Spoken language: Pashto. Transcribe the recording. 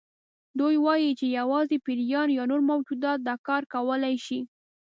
دوی وایي چې یوازې پیریان یا نور موجودات دا کار کولی شي.